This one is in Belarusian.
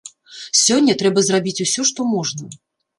Сёння трэба зрабіць усё, што можна.